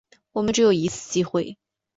我们只有一次机会